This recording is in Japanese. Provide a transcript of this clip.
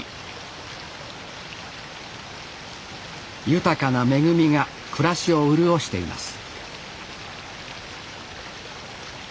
豊かな恵みが暮らしを潤しています